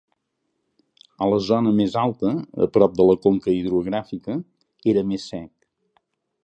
A la zona més alta, a prop de la conca hidrogràfica, era més sec.